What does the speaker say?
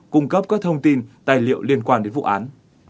cung cấp các thông tin tài liệu liên quan đến vụ án